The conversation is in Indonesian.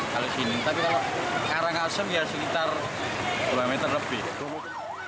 tapi kalau karang asem ya sekitar dua meter lebih